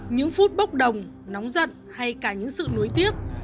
những phút bốc đồng nóng giận hay cả những sự nối tiếc